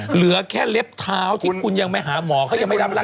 เหลือแค่เล็บเท้าที่คุณยังไม่หาหมอเขายังไม่รับร่าง